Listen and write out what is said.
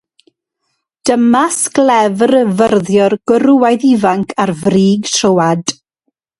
Dyma sglefr-fyrddiwr gwrywaidd ifanc ar frig troad